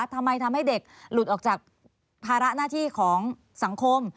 ทำให้เด็กหลุดออกจากภาระหน้าที่ของสังคม